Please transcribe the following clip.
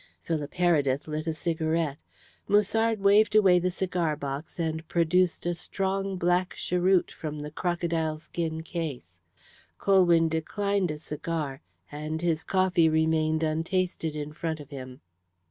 Philip Heredith lit a cigarette. Musard waved away the cigar box and produced a strong black cheroot from the crocodile skin case. Colwyn declined a cigar, and his coffee remained untasted in front of him.